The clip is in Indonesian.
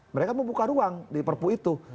mereka membuka ruang di perpu itu